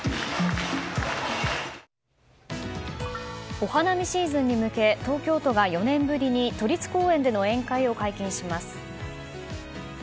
お花見シーズンに向け東京都が４年ぶりに都立公園での宴会を解禁します。